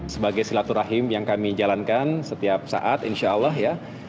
sebagai silaturahim yang kami jalankan setiap saat insya allah ya